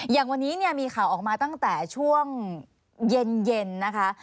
อย่างวันนี้เนี่ยมีข่าวออกมาตั้งแต่ช่วงเย็นนะคะ